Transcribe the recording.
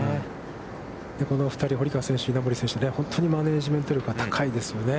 この２人、堀川選手、稲森選手、本当にマネジメント力が高いですよね。